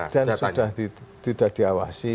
dan sudah tidak diawasi